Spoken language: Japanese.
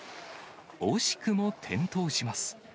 惜しくも転倒します。